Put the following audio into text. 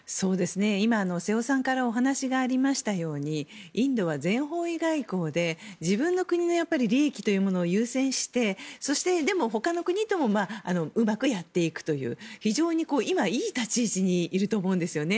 今、瀬尾さんからお話がありましたようにインドは全方位外交で自分の国の利益というものを優先して、そして、ほかの国ともうまくやっていくという非常に今、いい立ち位置にいると思うんですよね。